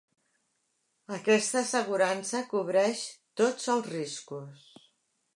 Aquesta assegurança cobreix tots els riscos.